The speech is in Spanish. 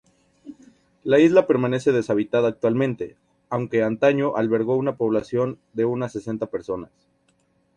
La isla permanece deshabitada actualmente, aunque antaño albergó una población de unas sesenta personas.